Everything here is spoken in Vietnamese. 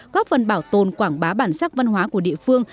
góp phần bảo tồn quảng bá bản sắc văn hóa của địa phương